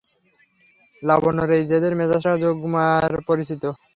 লাবণ্যর এই জেদের মেজাজটা যোগমায়ার পরিচিত।